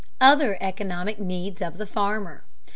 OTHER ECONOMIC NEEDS OF THE FARMER.